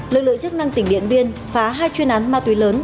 lực lượng chức năng tỉnh điện biên phá hai chuyên án ma túy lớn